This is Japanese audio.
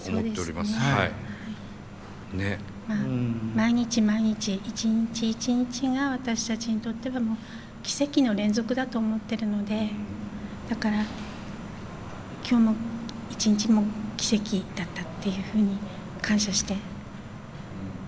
毎日毎日一日一日が私たちにとっては奇跡の連続だと思ってるのでだから今日の一日も奇跡だったっていうふうに感謝して。